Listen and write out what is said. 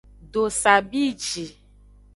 Dosa bi ji.